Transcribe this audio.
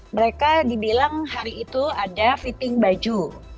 mereka dibilang hari itu ada fitting baju